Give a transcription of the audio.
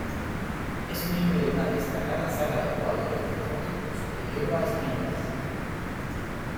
Es miembro de una destacada saga de jugadores de hockey sobre hierba españoles.